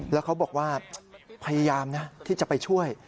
แล้วเขาบอกว่าพยายามนะที่จะไปช่วย